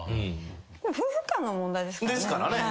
夫婦間の問題ですからね。